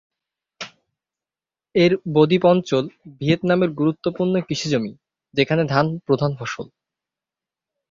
এর বদ্বীপ অঞ্চল ভিয়েতনামের গুরুত্বপূর্ণ কৃষিজমি, যেখানে ধান প্রধান ফসল।